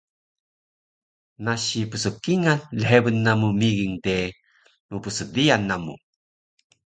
nasi pskingal lhebun namu migin de, mpsdiyal namu